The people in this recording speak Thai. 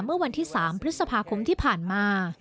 เมื่อวันที่๓พฤษภาคมที่ผ่านมา